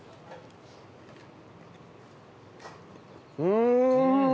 うん！